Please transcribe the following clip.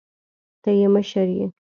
ته يې مشر يې.